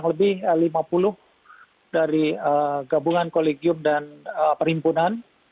saya mengucapkan terima kasih kepada menteri kesehatan dan kolegium dan perhimpunan